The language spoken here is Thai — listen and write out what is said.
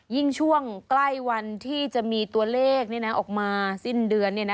ช่วงใกล้วันที่จะมีตัวเลขออกมาสิ้นเดือน